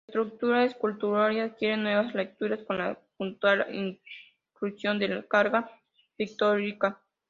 La estructura escultórica adquiere nuevas lecturas con la puntual inclusión de la carga pictórica.